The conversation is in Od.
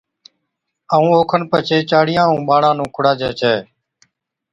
ائُون اوکن پڇي چاڙِيا ائُون ٻاڙان نُون کُڙاجَي ڇَي